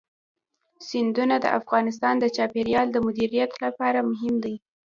سیندونه د افغانستان د چاپیریال د مدیریت لپاره مهم دي.